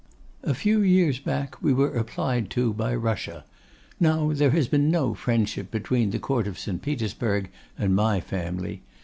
'A few years back we were applied, to by Russia. Now, there has been no friendship between the Court of St. Petersburg and my family.